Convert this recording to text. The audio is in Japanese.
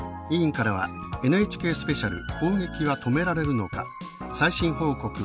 委員からは「ＮＨＫスペシャル」「攻撃は止められるのか最新報告